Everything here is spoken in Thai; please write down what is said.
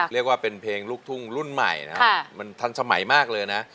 เรียกว่าเป็นเพลงลูกทุ่งรุ่นใหม่นะมันทันสมัยมากเลยนะ